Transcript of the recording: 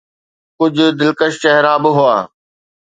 ڪجهه دلڪش چهرا به هئا.